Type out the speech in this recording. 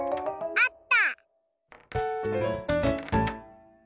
あった！